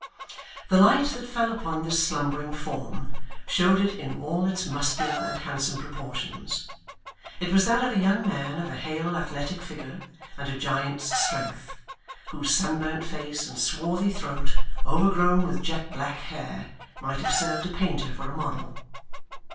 The light that fell upon this slumbering form, showed it in all its muscular and handsome proportions. It was that of a young man, of a hale athletic figure, and a giant's strength, whose sunburnt face and swarthy throat, overgrown with jet black hair, might have served a painter for a model.